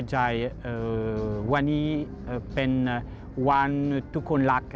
กระร่อยอวันนี้เป็นจ่างพิบัติความระจง